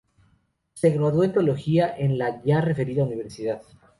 Se graduó en teología en la ya referida universidad.